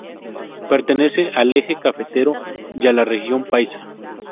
Pertenece al eje cafetero y a la región Paisa.